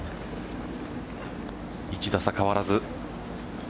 １打差、変わらず。